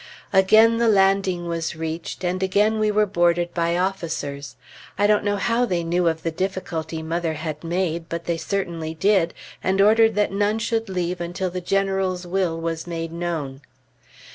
Again the landing was reached, and again we were boarded by officers. I don't know how they knew of the difficulty mother had made, but they certainly did, and ordered that none should leave until the General's will was made known.